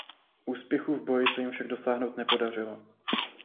Úspěchů v boji se jim však dosáhnout nepodařilo.